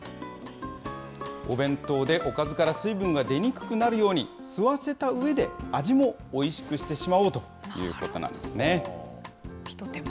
お弁当でおかずから水分が出にくくなるように、吸わせたうえで味もおいしくしてしまおうということなんです。